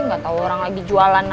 gak tau orang lagi jualan aja